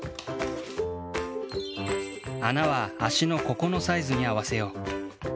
あなはあしのここのサイズに合わせよう。